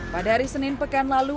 pada hari senin pekan lalu